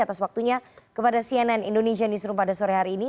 atas waktunya kepada cnn indonesia newsroom pada sore hari ini